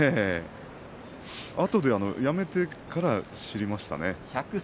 あとで、辞めてから知りましたね。